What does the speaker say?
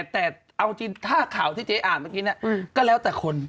แต่เอาจริงถ้าข่าวที่เจ๊อ่านเมื่อกี้ก็แล้วแต่คน